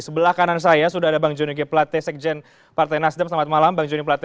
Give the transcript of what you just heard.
sebelah kanan saya sudah ada bang jonny g plate sekjen partai nasdem selamat malam bang joni plate